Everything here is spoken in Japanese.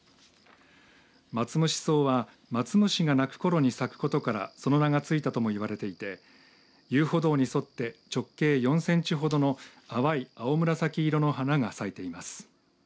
マツムシソウはマツムシが鳴く頃に咲くことからその名がついたとも言われていて遊歩道に沿って直径４センチほどの淡い青紫色の花が咲いています。